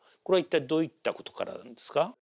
これは一体どういったことからなんですか？